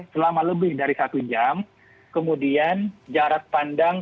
selama lebih dari satu jam kemudian jarak pandang